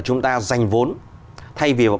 chúng ta dành vốn thay vì